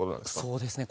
そうですね。